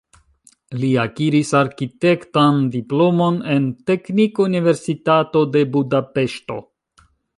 Li akiris arkitektan diplomon en Teknikuniversitato de Budapeŝto.